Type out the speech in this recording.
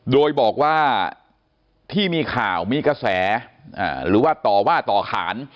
โดยบอกว่าที่มีข่าวมีกระแสหรือว่าต่อว่าต่อขาน